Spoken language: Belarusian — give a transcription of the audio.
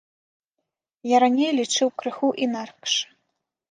Я раней лічыў крыху інакш.